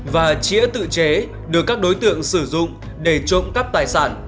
và chĩa tự chế được các đối tượng sử dụng để trộm các tài sản